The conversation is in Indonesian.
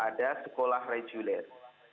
ada sekolah reguler